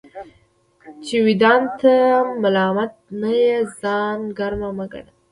چي وجدان ته ملامت نه يې ځان ګرم مه ګڼه!